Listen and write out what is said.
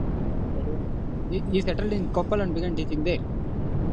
He settled in Koppal and began teaching there.